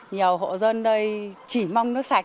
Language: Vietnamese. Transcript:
nhiều hộ dân đây chỉ mong nước sạch